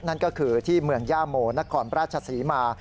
นั่นก็คือที่เมืองย่าโมนครราชศรีมา